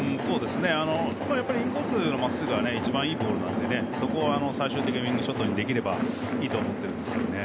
インコースのまっすぐはやっぱり一番いいボールなのでそこを最終的にウィニングショットにできればいいと思っていますけどね。